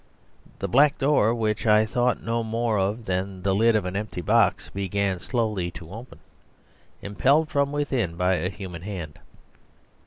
The black door, which I thought no more of than the lid of an empty box, began slowly to open, impelled from within by a human hand.